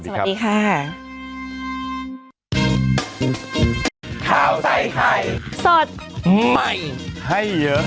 สวัสดีค่ะ